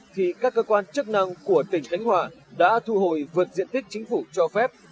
thì các cơ quan chức năng của tỉnh khánh hòa đã thu hồi vượt diện tích chính phủ cho phép